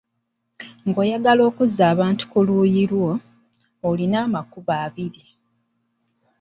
Ng'oyagala okuzza abantu ku luuyi lwo, olina amakubo abiri.